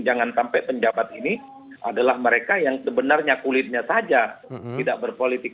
jangan sampai penjabat ini adalah mereka yang sebenarnya kulitnya saja tidak berpolitik